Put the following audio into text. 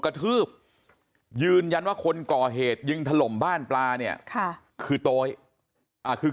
กระทืบยืนยันว่าคนก่อเหตุยิงถล่มบ้านปลาเนี่ยค่ะคือโต๊ยอ่าคือ